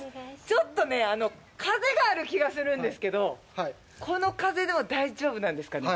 ちょっとね風がある気がするんですけどこの風でも大丈夫なんですかね。